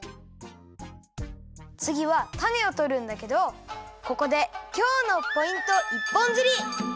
つぎはたねをとるんだけどここで今日のポイント一本釣り！